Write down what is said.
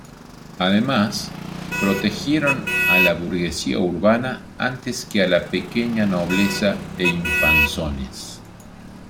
Además protegieron a la burguesía urbana antes que a la pequeña nobleza e infanzones.